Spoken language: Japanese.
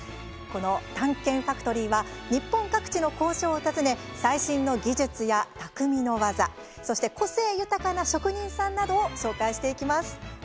「探検ファクトリー」は日本各地の工場を訪ね最新の技術や、たくみの技そして個性的な職人さんなどを紹介していきます。